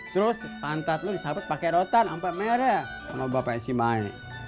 terus pantat lo disampet pakai rotan ampak merah sama bapak isi mae